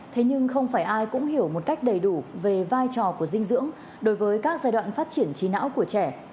thế nhưng không phải ai cũng hiểu một cách đầy đủ về vai trò của dinh dưỡng đối với các giai đoạn phát triển trí não của trẻ